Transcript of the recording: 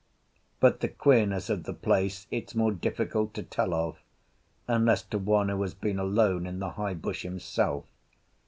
But the queerness of the place it's more difficult to tell of, unless to one who has been alone in the high bush himself.